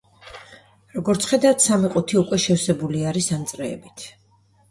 როგორც ხედავთ, სამი ყუთი უკვე შევსებული არის ამ წრეებით.